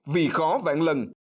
vì khó vạn lần